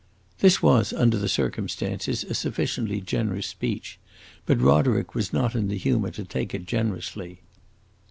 This was, under the circumstances, a sufficiently generous speech; but Roderick was not in the humor to take it generously.